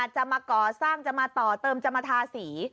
จะมาก่อสร้างจะมาต่อเติมจะมาทาสี